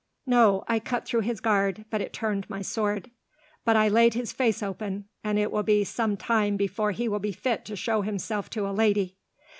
"No. I cut through his guard, but it turned my sword. But I laid his face open, and it will be some time before he will be fit to show himself to a lady.